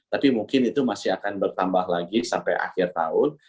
tapi mungkin itu masih akan bertambah lagi sampai akhir tahun